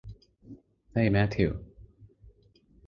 হেই, Matthew.